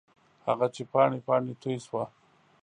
هغه چې پاڼې، پاڼې توی شوه